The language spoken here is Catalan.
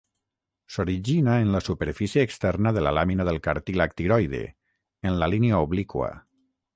S'origina en la superfície externa de la làmina del cartílag tiroide, en la línia obliqua.